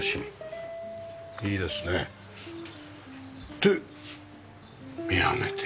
で見上げて。